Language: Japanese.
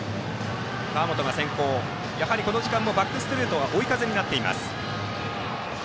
川元が先行でバックストレートは追い風になっています。